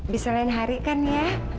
bisa lain hari kan ya